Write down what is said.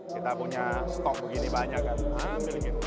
kita punya stok begini banyak kan ambil gitu